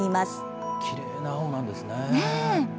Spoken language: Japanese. きれいな青なんですね。